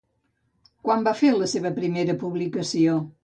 Quan va fer la seva primera publicació?